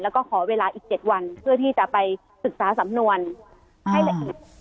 แล้วก็ขอเวลาอีก๗วันเพื่อที่จะไปศึกษาสำนวนให้ละเอียด